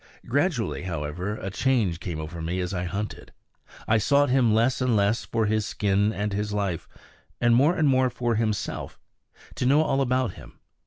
Gradually, however, a change came over me as I hunted; I sought him less and less for his skin and his life, and more and more for himself, to know all about him.